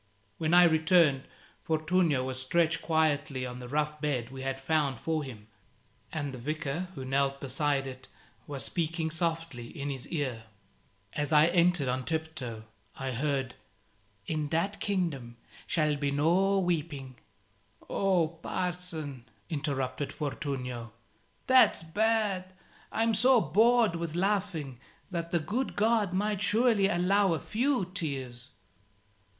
When I returned, Fortunio was stretched quietly on the rough bed we had found for him, and the Vicar, who knelt beside it, was speaking softly in his ear. As I entered on tiptoe, I heard "... in that kingdom shall be no weeping " "Oh, Parson," interrupted Fortunio, "that's bad. I'm so bored with laughing that the good God might surely allow a few tears."